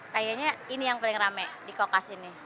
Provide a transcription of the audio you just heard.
kayaknya ini yang paling rame di kokas ini